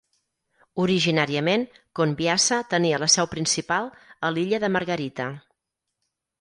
Originàriament, Conviasa tenia la seu principal a l'Illa de Margarita.